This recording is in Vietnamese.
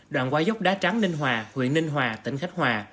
đoạn qua dốc đá trắng ninh hòa huyện ninh hòa tỉnh khách hòa